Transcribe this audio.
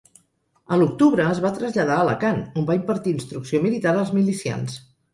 A l'octubre es va traslladar a Alacant, on va impartir instrucció militar als milicians.